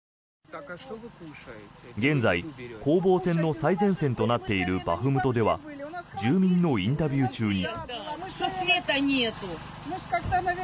現在、攻防戦の最前線となっているバフムトでは住民のインタビュー中に。